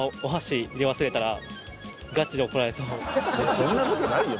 そんな事ないよ